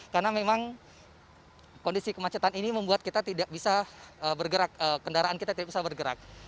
karena memang kondisi kemacetan ini membuat kita tidak bisa bergerak kendaraan kita tidak bisa bergerak